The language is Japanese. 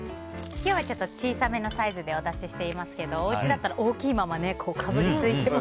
今日はちょっと小さめのサイズでお出ししていますがおうちだったら大きいままかぶりついても。